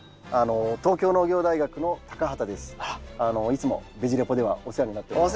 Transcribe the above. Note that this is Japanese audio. いつも「ベジ・レポ」ではお世話になっております。